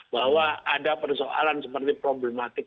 bahwa ada persoalan seperti problematik